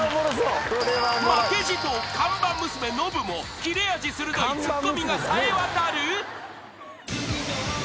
［負けじと看板娘ノブも切れ味鋭いツッコミがさえわたる］